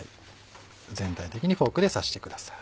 全体的にフォークで刺してください。